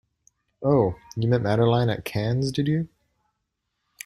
Oh, you met Madeline at Cannes, did you?